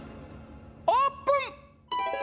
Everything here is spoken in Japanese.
オープン！